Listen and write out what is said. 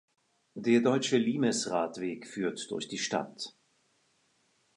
Der Deutsche Limes-Radweg führt durch die Stadt.